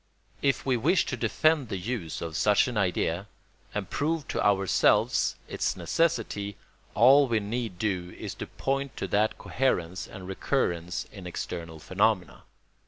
If we wish to defend the use of such an idea and prove to ourselves its necessity, all we need do is to point to that coherence and recurrence in external phenomena.